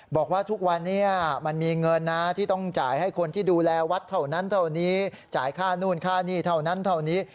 บอกว่าทุกวันนี้มันมีเงินนะที่ต้องจ่ายให้คนที่ดูแลวัดเท่านั้นเท่านี้จ่ายค่านู่นค่านี่เท่านั้นเท่านี้